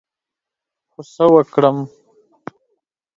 خو څه وکړم ؟